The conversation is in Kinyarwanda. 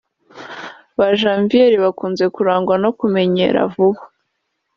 Ba Janviere bakunze kurangwa no kumenyera vuba